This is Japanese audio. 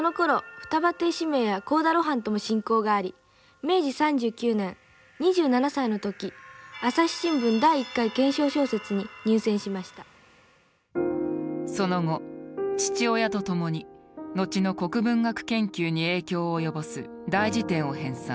二葉亭四迷や幸田露伴とも親交があり明治３９年２７歳の時朝日新聞第１回懸賞小説に入選しましたその後父親とともに後の国文学研究に影響を及ぼす大辞典を編さん。